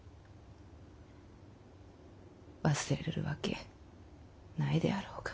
忘れるわけないであろうか。